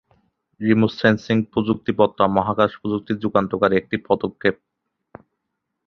Remote sensing প্রযুক্তি বর্তমান মহাকাশ প্রযুক্তির যুগান্তকারী একটি পদক্ষেপ।